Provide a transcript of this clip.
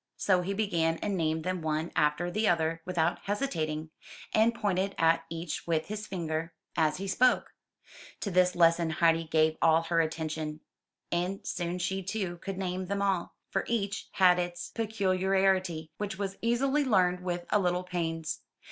So he began and named them one after the other without hesitating, and pointed at each with his finger 285 MY BOOK HOUSE as he spoke. To this lesson Heidi gave all her attention, and soon she, too, could name them all; for each had its peculiarity, which was easily learned with a little pains.